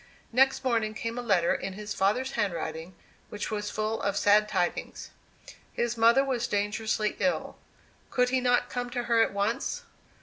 Next morning came a letter, in his father's handwriting, which was full of sad tidings. His mother was dangerously ill; could he not come to her at once?